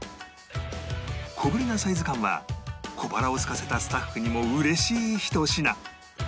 小ぶりなサイズ感は小腹をすかせたスタッフにも嬉しいひと品